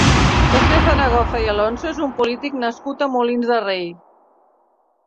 José Zaragoza i Alonso és un polític nascut a Molins de Rei.